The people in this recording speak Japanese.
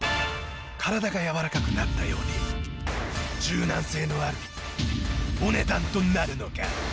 体がやわらかくなったように柔軟性のあるお値段となるのか！？